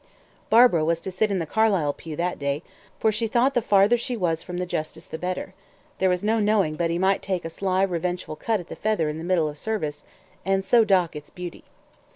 Barbara was to sit in the Carlyle pew that day, for she thought the farther she was from the justice the better; there was no knowing but he might take a sly revengeful cut at the feather in the middle of service, and so dock its beauty.